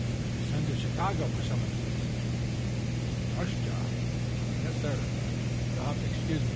Had to send to Chicago for some of these." "Rush job?" "Yes, sir. You'll have to excuse me.